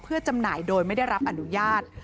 เพื่อจำหน่ายโดยไม่ได้รับอนุญาต